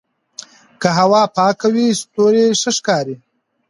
که هوا پاکه وي ستوري ښه ښکاري.